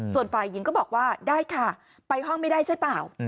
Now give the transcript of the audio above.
ส่วนฝ่ายหญิงก็บอกว่าได้ค่ะไปห้องไม่ได้ใช่เปล่า